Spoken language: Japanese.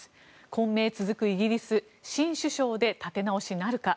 混迷続くイギリス新首相で立て直しなるか？